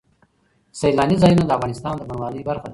سیلانی ځایونه د افغانستان د بڼوالۍ برخه ده.